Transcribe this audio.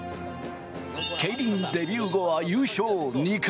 競輪デビュー後は優勝２回。